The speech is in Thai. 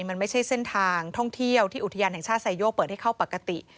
มันไม่ใช่เส้นทางท่องเที่ยวที่อุทยานแห่งชาติไซโยกเปิดให้เข้าปกติ